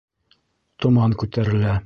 Томан күтәрелә